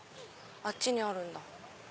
あっちにあるんだ。